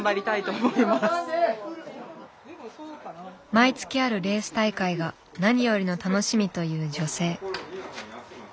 毎月あるレース大会が何よりの楽しみという女性。